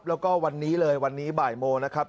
แล้วก็วันนี้เลยวันนี้บ่ายโมงนะครับ